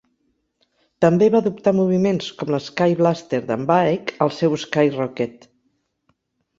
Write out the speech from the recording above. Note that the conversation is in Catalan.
També va adoptar moviments com l'Sky Blaster d'en Baek al seu Sky Rocket.